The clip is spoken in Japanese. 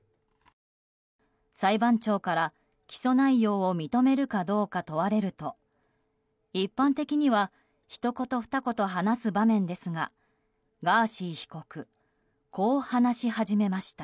裁判長から起訴内容を認めるかどうか問われると一般的には、ひと言ふた言話す場面ですがガーシー被告こう話し始めました。